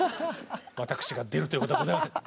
私が出るということはございません。